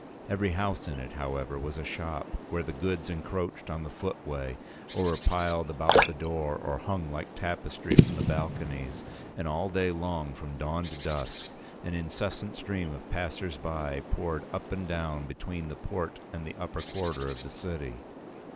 Every house in it, however, was a shop, where the goods encroached on the footway, or were piled about the door, or hung like tapestry from the balconies; and all day long, from dawn to dusk, an incessant stream of passers by p. 193poured up and down between the port and the upper quarter of the city.